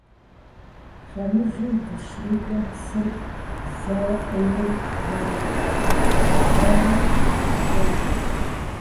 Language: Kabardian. Лъэмыжым дыщрикӏуэм, псыр зэуэ къиури, ерагъ мыгъуейуэ дызэпрыкӏащ.